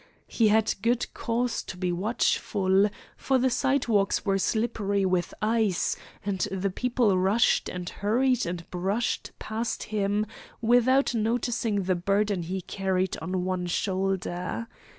He had good cause to be watchful, for the sidewalks were slippery with ice, and the people rushed and hurried and brushed past him without noticing the burden he carried on one shoulder.